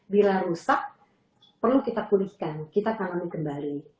bila rusak perlu kita pulihkan kita tangani kembali